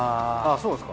そうですか？